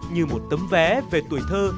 như một tấm vé về tuổi thơ